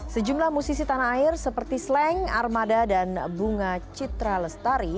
sejumlah musisi tanah air seperti sleng armada dan bunga citra lestari